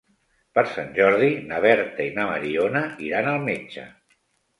Per Sant Jordi na Berta i na Mariona iran al metge.